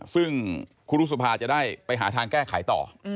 ซึ่งครูรุษภาจะได้ไปหาทางแก้ไขต่อ